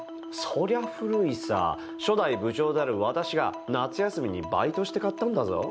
そりゃ古いさ初代部長である私が夏休みにバイトして買ったんだぞ？